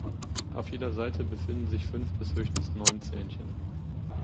Auf jeder Seite befinden sich fünf bis höchstens neun Zähnchen.